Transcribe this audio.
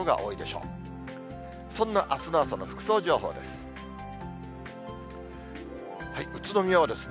そんなあすの朝の服装情報です。